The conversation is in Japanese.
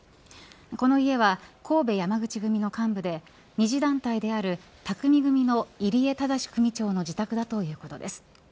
この家は神戸山口組の幹部で二次団体である宅見組の入江禎組長の自宅だということです。